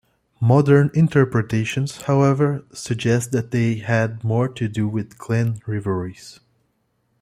Modern interpretations, however, suggest that they had more to do with clan rivalries.